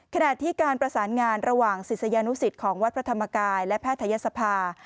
ขณะที่การประสานงานระหว่างศิษยานุสิตของวัดพระธรรมกายและแพทยศภา